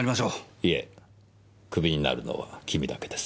いえクビになるのは君だけです。